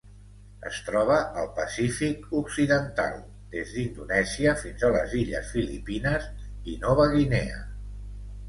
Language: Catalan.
Es troba al Pacífic occidental: des d'Indonèsia fins a les illes Filipines i Nova Guinea.